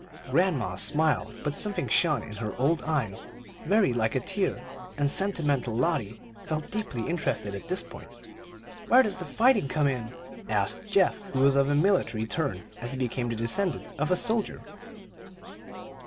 Grandma smiled, but something shone in her old eyes very like a tear, and sentimental Lotty felt deeply interested at this point. "Where does the fighting come in?" asked Geoff, who was of a military turn, as became the descendant of a soldier.